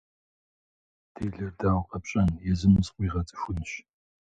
Делэр дауэ къэпщӏэн, езым зыкъыуигъэцӏыхунщ.